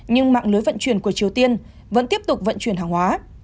nhưng mạng lưới vận chuyển của triều tiên vẫn tiếp tục vận chuyển hàng hóa